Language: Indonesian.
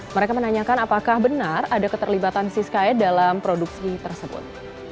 mereka menanyakan apakah benar ada keterlibatan si sky dalam produksi tersebut